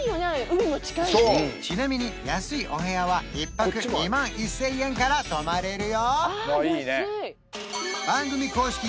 海も近いしちなみに安いお部屋は１泊２万１０００円から泊まれるよ番組公式